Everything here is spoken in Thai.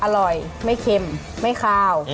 อร่อยไม่เค็มไม่คาว